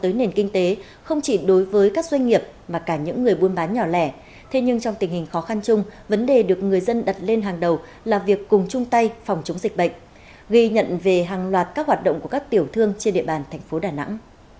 đối với nền kinh tế không chỉ đối với các doanh nghiệp mà cả những người buôn bán nhỏ lẻ thế nhưng trong tình hình khó khăn chung vấn đề được người dân đặt lên hàng đầu là việc cùng chung tay phòng chống dịch bệnh ghi nhận về hàng loạt các hoạt động của các tiểu thương trên địa bàn thành phố đà nẵng